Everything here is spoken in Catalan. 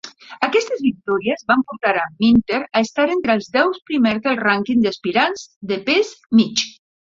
Aquestes victòries van portar a Minter a estar entre els deu primers del rànquing d'aspirants de pes mig.